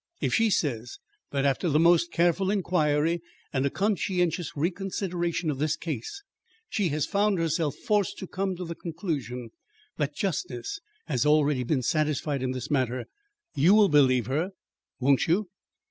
If she says, that after the most careful inquiry and a conscientious reconsideration of this case, she has found herself forced to come to the conclusion that justice has already been satisfied in this matter, you will believe her, won't you?"